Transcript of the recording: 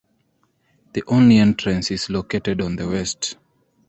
The only entrance is located on the west.